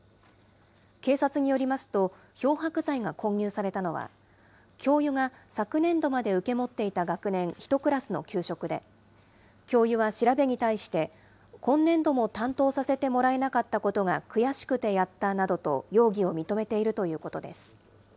警察によりますと、漂白剤が混入されたのは、教諭が昨年度まで受け持っていた学年１クラスの給食で、教諭は調べに対して、今年度も担当させてもらえなかったことが悔しくてやったなどと、容疑を認めているということです。